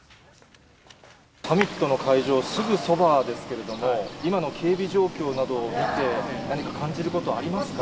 サミットの会場、すぐそばですけれども、今の警備状況などを見て、何か感じることはありますか？